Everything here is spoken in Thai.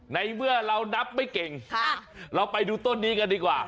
ในเมื่อเรานับไม่เก่งเราไปดูต้นนี้กันดีกว่า